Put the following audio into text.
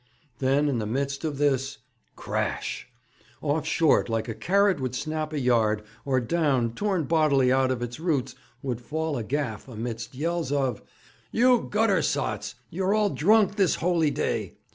Then, in the midst of this crash! off short like a carrot would snap a yard, or down, torn bodily out by its roots, would fall a gaff, amidst yells of: 'You gutter sots! You're all drunk this holy day!